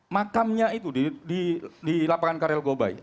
makamnya itu di lapangan karel gobai